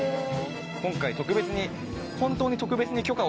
今回特別に。